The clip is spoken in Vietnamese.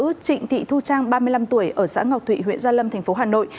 chị trịnh thị thu trang ba mươi năm tuổi ở xã ngọc thụy huyện gia lâm thành phố hà nội